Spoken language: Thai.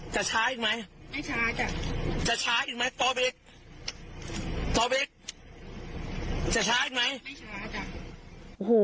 จะช้าอีกไหมไม่ช้าจ้ะจะช้าอีกไหมตอบอีกตอบอีกจะช้าอีกไหมไม่ช้าจ้ะ